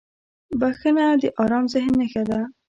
• بخښنه د آرام ذهن نښه ده.